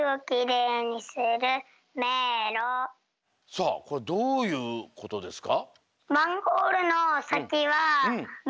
さあこれはどういうことですか？